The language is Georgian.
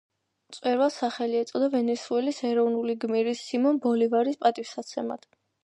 მწვერვალს სახელი ეწოდა ვენესუელის ეროვნული გმირის სიმონ ბოლივარის პატივსაცემად.